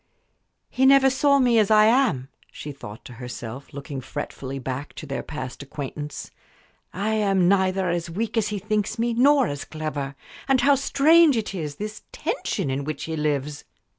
"He never saw me as I am," she thought to herself, looking fretfully back to their past acquaintance. "I am neither as weak as he thinks me nor as clever. And how strange it is this tension in which he lives!"